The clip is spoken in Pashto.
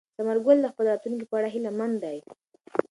ثمر ګل د خپل راتلونکي په اړه هیله من دی.